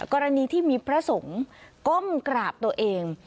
กรณีที่มีพระสงฆ์ก้มกราบตัวเอง